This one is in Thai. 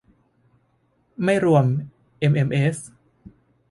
ไม่รวมเอ็มเอ็มเอส